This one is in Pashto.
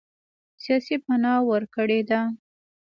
سیاسي پناه ورکړې ده.